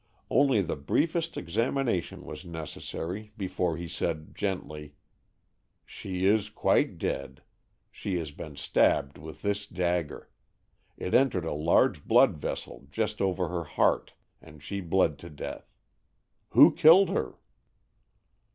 Only the briefest examination was necessary before he said gently, "She is quite dead. She has been stabbed with this dagger. It entered a large blood vessel just over her heart, and she bled to death. Who killed her?"